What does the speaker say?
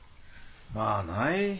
まあない。